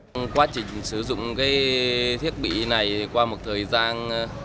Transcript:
trong quá trình sử dụng thiết bị này qua một thời gian